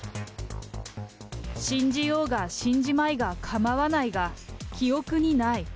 信じようが信じまいがかまわないが、記憶にない。